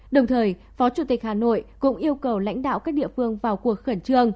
đồng thời phó chủ tịch hà nội cũng yêu cầu lãnh đạo các địa phương vào cuộc khẩn trương